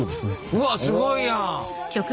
うわすごいやん！